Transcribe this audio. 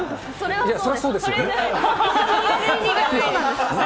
それはそうですよね。